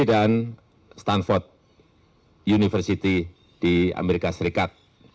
dan stanford university di amerika serikat